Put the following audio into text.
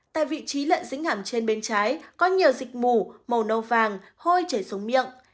tại vị trí lợn dính hầm trên bên trái có nhiều dịch mù màu nâu vàng hôi chảy xuống miệng